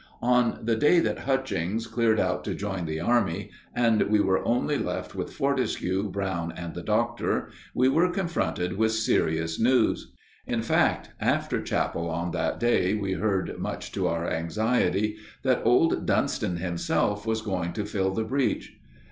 On the day that Hutchings cleared out to join the Army, and we were only left with Fortescue, Brown, and the Doctor, we were confronted with serious news. In fact, after chapel on that day, we heard, much to our anxiety, that old Dunston himself was going to fill the breach.